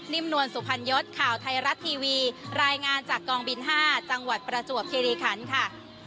นวลสุพรรณยศข่าวไทยรัฐทีวีรายงานจากกองบิน๕จังหวัดประจวบคิริคันค่ะ